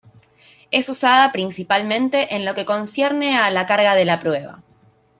Es usada, principalmente, en lo que concierne a la carga de la prueba.